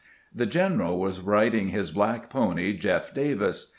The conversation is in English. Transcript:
The general was riding his black pony " Jeff Davis."